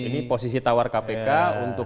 ini posisi tawar kpk